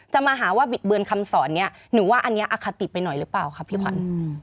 มาหาว่าบิดเบือนคำสอนนี้หนูว่าอันนี้อคติไปหน่อยหรือเปล่าค่ะพี่ขวัญ